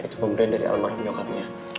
itu pemberian dari almarhum nyokapnya